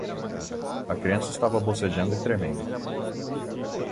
A criança estava bocejando e tremendo.